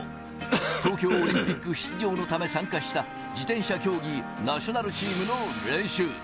東京オリンピック出場のため参加した自転車競技ナショナルチームの練習。